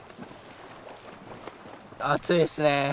暑いですね。